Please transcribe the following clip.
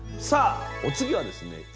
さあお次はですね